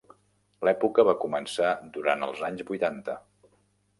L'època va començar durant els anys vuitanta.